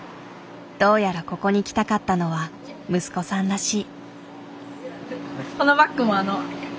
どうやらここに来たかったのは息子さんらしい。